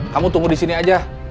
kamu tunggu disini aja